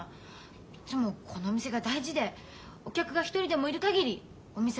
いっつもこの店が大事でお客が一人でもいる限りお店を続けていくって。